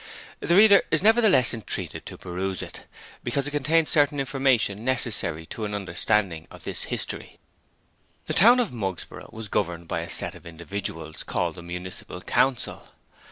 The reader is nevertheless entreated to peruse it, because it contains certain information necessary to an understanding of this history. The town of Mugsborough was governed by a set of individuals called the Municipal Council.